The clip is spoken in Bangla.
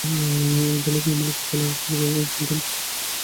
দলে তিনি মূলতঃ বোলার হিসেবে খেলতেন।